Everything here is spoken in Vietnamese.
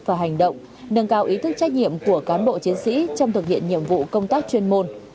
và hành động nâng cao ý thức trách nhiệm của cán bộ chiến sĩ trong thực hiện nhiệm vụ công tác chuyên môn